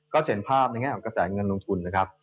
จะเห็นภาพในแง่ของกระแสเงินลงทุนนะครับ